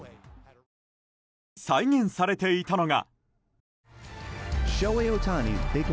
再現されていたのが。